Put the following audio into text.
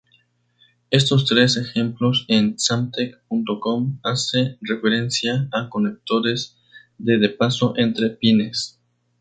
Estos tres ejemplos en samtec.com hacen referencia a conectores de de paso entre pines